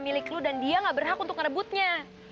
milik lu dan dia enggak berhak untuk ngerebutnya